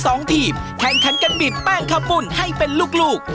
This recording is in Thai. สองทีมแข่งขันกันบีบแป้งข้าวปุ้นให้เป็นลูกลูก